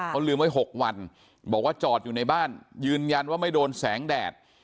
เขาลืมไว้๖วันบอกว่าจอดอยู่ในบ้านยืนยันว่าไม่โดนแสงแดด